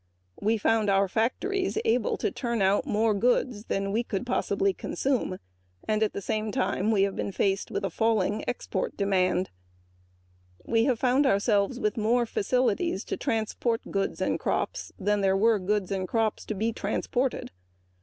We found our factories able to turn out more goods than we could possibly consume, and at the same time we were faced with a falling export demand. We found ourselves with more facilities to transport goods and crops than there were goods and crops to be transported.